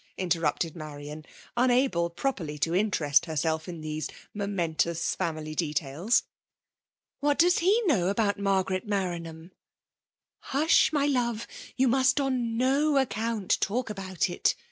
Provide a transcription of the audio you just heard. interrupted Marian, unable properly to interest herself in these momentous family details. What does he know about Margaret Maranham 7 " Hush, my love! you must on no account talk about it